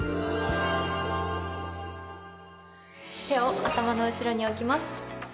手を頭の後ろに置きます。